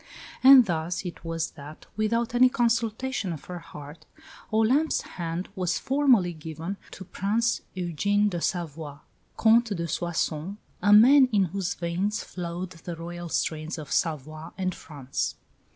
And thus it was that, without any consultation of her heart, Olympe's hand was formally given to Prince Eugene de Savoie, Comte de Soissons, a man in whose veins flowed the Royal strains of Savoy and France.